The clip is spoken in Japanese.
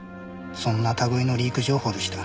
そんな類いのリーク情報でした。